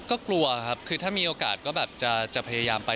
ก็กลัวครับคือถ้ามีโอกาสก็แบบจะพยายามไป